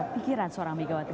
pikiran seorang megawati